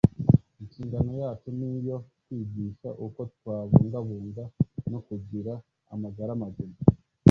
Inshingano yacu ni iyo kwigisha uko twabungabunga no kugira amagara mazima.